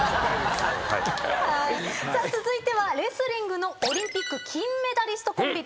続いてはレスリングのオリンピック金メダリストコンビです。